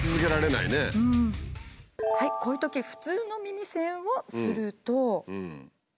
こういうとき普通の耳栓をすると。